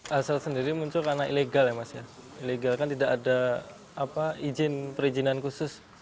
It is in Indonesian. aset sendiri muncul karena ilegal ya mas ya ilegal kan tidak ada izin perizinan khusus